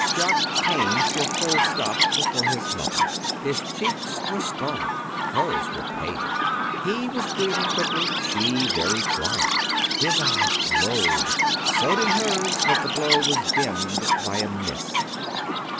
'" Jock came to a full stop before his mother. His cheeks were scarlet. Hers were pale. He was breathing quickly. She was very quiet. His eyes glowed. So did hers, but the glow was dimmed by a mist.